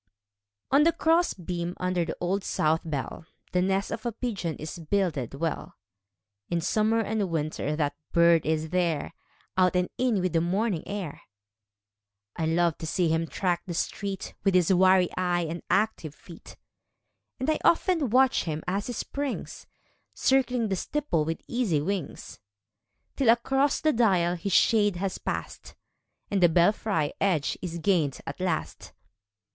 On the cross beam under the Old South bell The nest of a pigeon is builded well. B I li (88) In summer and winter that bird is there, Out and in with the morning air : I love to see him track the street, Witli his wary eye and active feet ; And 1 often watch him as he springs. Circling the steeple with easy wings. Till across the dial his shade has pass'd, And the belfry edge is gain'd at last.